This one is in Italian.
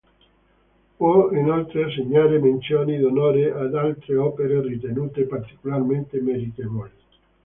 Può inoltre assegnare menzioni d'onore ad altre opere ritenute particolarmente meritevoli.